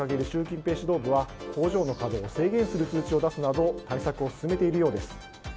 習近平指導部は工場の稼働を制限する通知を出すなど対策を進めているようです。